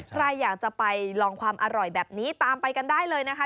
ใครอยากจะไปลองความอร่อยแบบนี้ตามไปกันได้เลยนะคะ